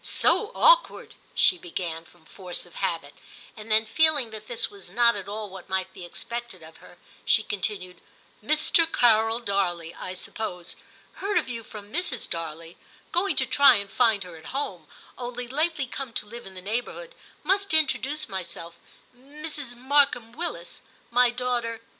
*So awkward,' she began, from force of habit ; and then feeling that this was not at all what might be expected of her, she con tinued, * Mr. Carol Darley, I suppose — heard of you from Mrs. Darley — going to try and find her at home — only lately come to live in the neighbourhood — must introduce myself — Mrs. Markham Willis ; my daughter.